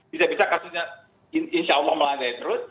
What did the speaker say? bisa bisa kasusnya insya allah melandai terus